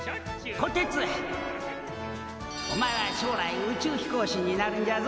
こてつおまえは将来宇宙飛行士になるんじゃぞ。